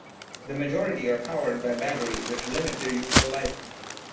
The majority are powered by batteries which limit their useful life.